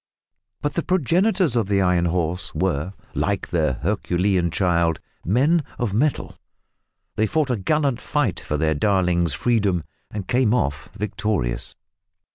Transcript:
But the progenitors of the Iron Horse were, like their Herculean child, men of mettle. They fought a gallant fight for their darling's freedom, and came off victorious!